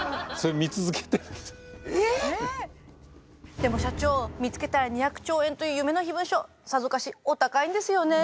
でも社長見つけたら２００兆円という夢の秘文書さぞかしお高いんですよね？